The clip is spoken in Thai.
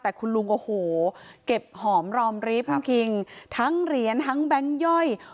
แต่คุณลุงโอ้โหเก็บหอมรอมริฟคุณคิงทั้งเหรียญทั้งแบงค์ย่อย